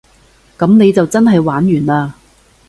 噉你就真係玩完嘞